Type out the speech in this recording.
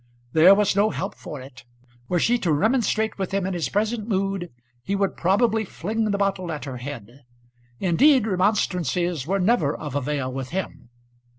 There was no help for it. Were she to remonstrate with him in his present mood, he would very probably fling the bottle at her head. Indeed, remonstrances were never of avail with him.